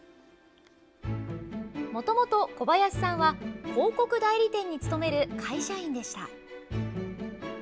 もともと、小林さんは広告代理店に勤める会社員でした。